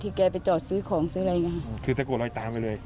ใช่คุณบอกว่าคือเตรียมการรอยตามไปเลย